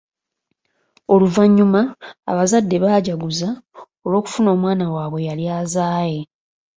Oluvannyuma abazadde baajaguza olw’okufuna omwana waabwe eyali azaaye.